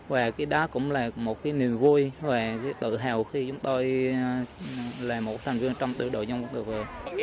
và đó cũng là một niềm vui và tự hào khi chúng tôi là một thành viên trong tựa đội dân quân tự vệ